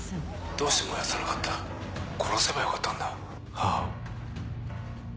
どうして燃やさなかった殺せばよかったんだ母を。